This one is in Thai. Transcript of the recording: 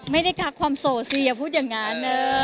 ไม่ได้กักความโสดสิอย่าพูดอย่างนั้น